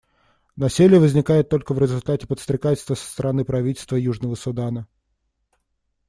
Насилие возникает только в результате подстрекательства со стороны правительства Южного Судана.